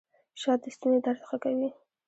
شات د ستوني درد ښه کوي